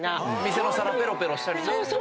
店の皿ペロペロしたりね。